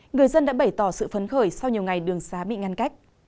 người dân đã bày tỏ sự phấn khởi sau nhiều ngày đường xá bị ngăn cách